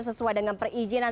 sesuai dengan perizinan